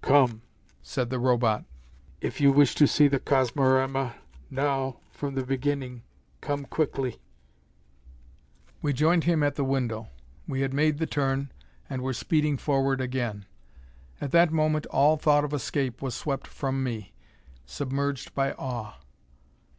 "Come," said the Robot. "If you wish to see the Cosmorama, now, from the Beginning, come quickly." We joined him at the window. We had made the turn, and were speeding forward again. At that moment all thought of escape was swept from me, submerged by awe.